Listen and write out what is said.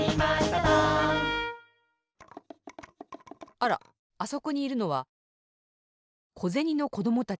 あらあそこにいるのはこぜにのこどもたち。